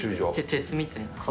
鉄みたいな。